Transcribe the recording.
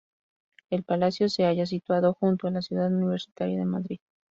El palacio se halla situado junto a la Ciudad Universitaria de Madrid.